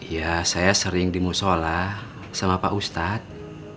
ya saya sering di musola sama pak ustadz